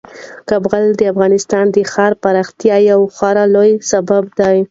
کابل د افغانستان د ښاري پراختیا یو خورا لوی سبب دی.